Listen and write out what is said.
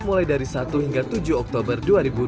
mulai dari satu hingga tujuh oktober dua ribu dua puluh